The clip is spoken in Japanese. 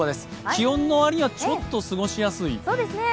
気温の割にはちょっと過ごしやすいですかね。